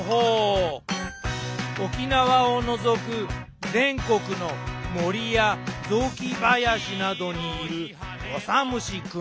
沖縄を除く全国の森や雑木林などにいるオサムシくん。